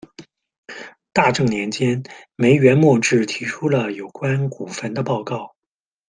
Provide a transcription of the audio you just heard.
大正年间，梅原末治提出了有关古坟的报告。